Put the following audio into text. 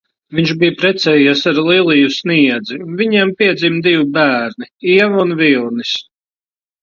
Viņš bija precējies ar Liliju Sniedzi, viņiem piedzima divi bērni: Ieva un Vilnis.